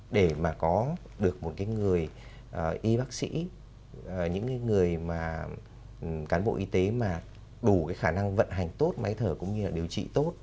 để mà có được một cái người y bác sĩ những cái người mà cán bộ y tế mà đủ cái khả năng vận hành tốt máy thở cũng như là điều trị tốt